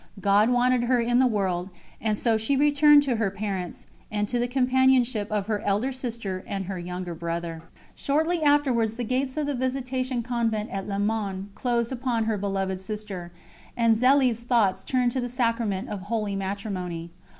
God wanted her in the world, and so she returned to her parents, and to the companionship of her elder sister and her younger brother. Shortly afterwards the gates of the Visitation Convent at Le Mans closed upon her beloved sister, and Zélie's thoughts turned to the Sacrament of Holy Matrimony.